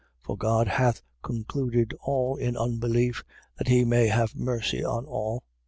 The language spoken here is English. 11:32. For God hath concluded all in unbelief, that he may have mercy on all.